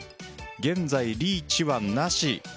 現在リーチはなし。